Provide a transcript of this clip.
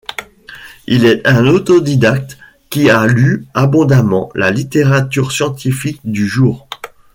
Il est un autodidacte qui a lu abondamment la littérature scientifique du jour.